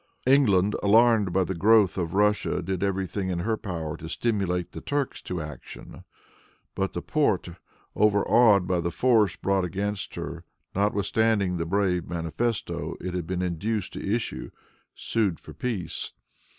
England, alarmed by the growth of Russia, did every thing in her power to stimulate the Turks to action. But the Porte, overawed by the force brought against her, notwithstanding the brave manifesto it had been induced to issue, sued for peace.